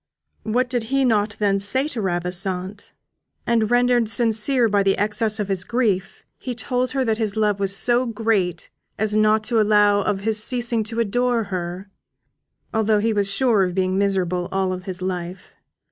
What did he not then say to Ravissante? And rendered sincere by the excess of his grief, he told her that his love was so great as not to allow of his ceasing to adore her, although he was sure of being miserable all his life.